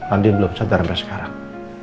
andi belum sadar sekarang